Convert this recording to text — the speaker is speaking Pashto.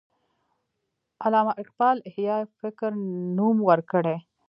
علامه اقبال احیای فکر نوم ورکړی.